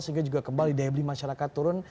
sehingga juga kembali daya beli masyarakat turun